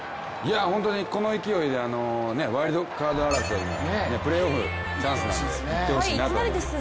本当にこの勢いでワイルドカード争い、プレーオフのチャンスなのでいってほしいと思います。